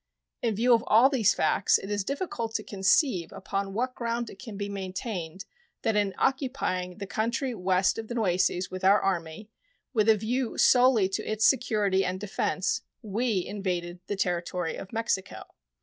In view of all these facts it is difficult to conceive upon what ground it can be maintained that in occupying the country west of the Nueces with our Army, with a view solely to its security and defense, we invaded the territory of Mexico.